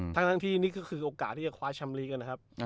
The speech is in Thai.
ทั้งที่นี่ก็คือโอกาสที่จะคว้าชำลีกนะครับ